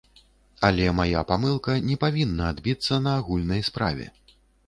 Але мая памылка не павінна адбіцца на агульнай справе.